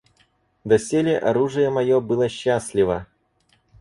Доселе оружие мое было счастливо.